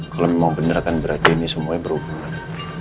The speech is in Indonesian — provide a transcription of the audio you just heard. kalau memang benar kan berarti ini semuanya berhubungan